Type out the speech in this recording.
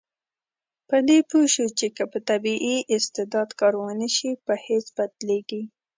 په دې پوه شو چې که په طبیعي استعداد کار ونشي، په هېڅ بدلیږي.